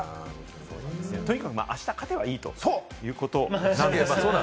とにかくあした勝てばいいということなんです。